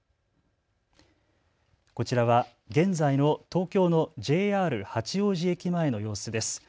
こちらは現在の東京のＪＲ八王子駅前の様子です。